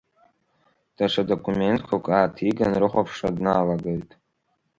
Даҽа документқәак ааҭиган, рыхәаԥшра дналагеит.